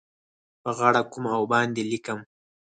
په غاړه کوم او باندې لیکم